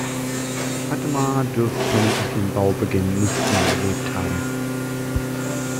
Hadmar dürfte vermutlich den Baubeginn nicht mehr erlebt haben.